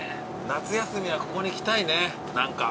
夏休みはここに来たいね何か。